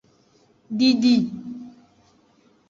Didi.